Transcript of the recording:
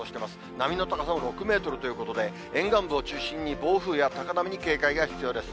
波の高さも６メートルということで、沿岸部を中心に暴風や高波に警戒が必要です。